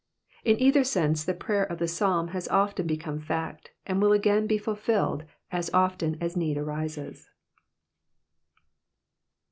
In either sense the prayer of the Psalm has often become fact, and will be again fulfilled as often as need arises.